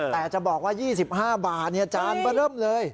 แต่จะบอกว่า๒๕บาทจานก็เริ่มเลย